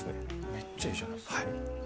めっちゃ、いいじゃないですか。